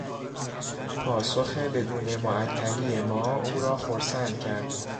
پاسخ بدون معطلی ما او را خرسند کرد.